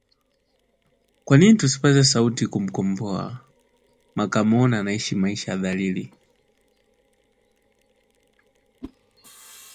kwanini tusipaze sauti kumkomboa mokamoona anayeishi maisha dhalili